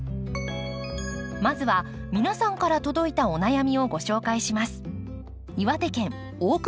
まずは皆さんから届いたお悩みをご紹介します。